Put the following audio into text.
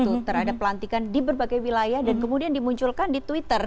itu terhadap pelantikan di berbagai wilayah dan kemudian dimunculkan di twitter